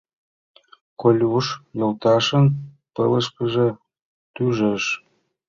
— Колюш йолташын пылышышкыже тужеш.